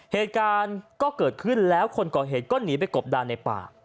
เหตุการณ์ก็เกิดขึ้นแล้วคนก่อเหตุก็หนีไปกบดานในป่า